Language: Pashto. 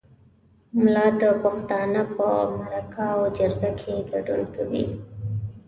ملا د پښتانه په مرکه او جرګه کې ګډون کوي.